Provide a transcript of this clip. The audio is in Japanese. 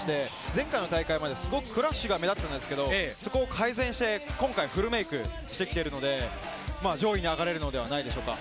前回の大会までクラッシュが目立ったんですけど、そこを改善して今回フルメイクしてきているので、上位に上がれるのではないでしょうか。